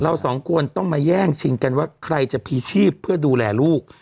สองคนต้องมาแย่งชิงกันว่าใครจะพีชีพเพื่อดูแลลูก